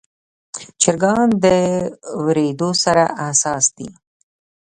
چرګان د وریدو سره حساس دي.